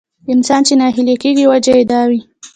انسان چې ناهيلی کېږي وجه يې دا وي.